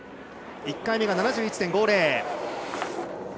１回目が７１．５０。